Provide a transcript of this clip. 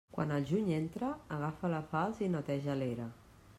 Quan el juny entra, agafa la falç i neteja l'era.